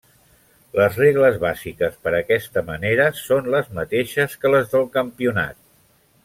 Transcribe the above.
Les regles bàsiques per a aquesta manera són les mateixes que les del Campionat.